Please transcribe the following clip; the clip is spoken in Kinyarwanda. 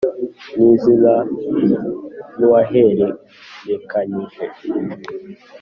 n izina n uwahererekanyije